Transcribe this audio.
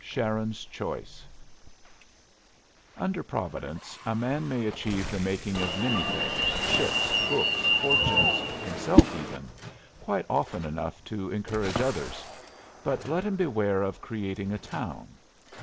Sharon's Choice Under Providence, a man may achieve the making of many things ships, books, fortunes, himself even, quite often enough to encourage others; but let him beware of creating a town.